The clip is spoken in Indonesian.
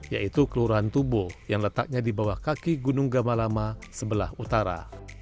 yaitu kelurahan tubo yang letaknya di bawah kaki gunung gamalama sebelah utara